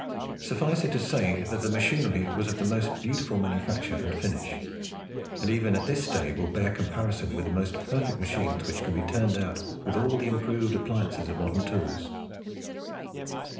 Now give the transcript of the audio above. Suffice it to say, that the machinery was of the most beautiful manufacture and finish, and even at this day will bear comparison with the most perfect machines which can be turned out with all the improved appliances of modern tools.